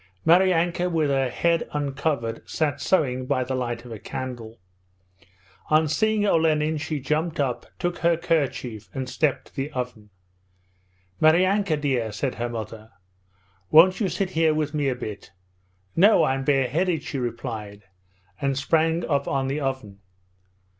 Maryanka with her head uncovered sat sewing by the light of a candle. On seeing Olenin she jumped up, took her kerchief and stepped to the oven. 'Maryanka dear,' said her mother, 'won't you sit here with me a bit?' 'No, I'm bareheaded,' she replied, and sprang up on the oven.